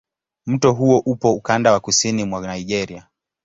Mto huo upo ukanda wa kusini mwa Nigeria.